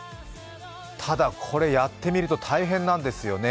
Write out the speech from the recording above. ただ、これ、やってみると大変なんですよね。